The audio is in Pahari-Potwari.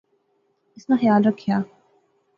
اس ناں خیال رکھِیاں